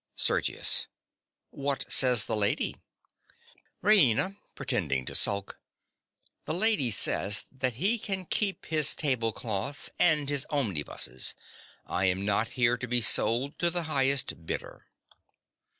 SERGIUS. What says the lady? RAINA. (pretending to sulk). The lady says that he can keep his tablecloths and his omnibuses. I am not here to be sold to the highest bidder.